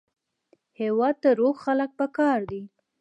هېواد ته روغ خلک پکار دي